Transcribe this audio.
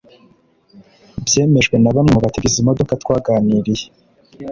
byemejwe na bamwe batega izi modoka twaganiriye.